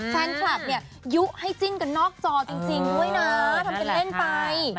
แฟนคลับเนี่ยยุให้จิ้นกันนอกจอจริงด้วยนะทำเป็นเล่นไป